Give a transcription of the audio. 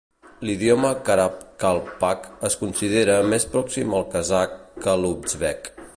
L'idioma Karakalpak es considera més pròxim al kazakh que a l'uzbek.